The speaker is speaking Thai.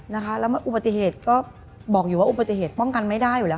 นะคะแล้วอุบัติเหตุก็บอกอยู่ว่าอุบัติเหตุป้องกันไม่ได้อยู่แล้ว